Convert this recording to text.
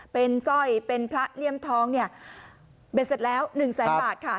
เป็นสร้อยเป็นพระเลี่ยมทองเนี่ยเบ็ดเสร็จแล้ว๑แสนบาทค่ะ